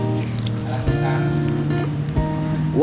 ini enak banget ya